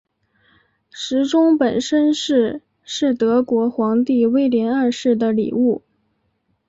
时钟本身是是德国皇帝威廉二世的礼物。